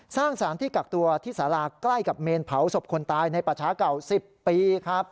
สร้างสารที่กักตัวที่สาราใกล้กับเมนเผาศพคนตายในประชาเก่า๑๐ปีครับ